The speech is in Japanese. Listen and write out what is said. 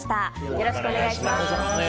よろしくお願いします。